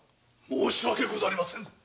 申し訳ございません。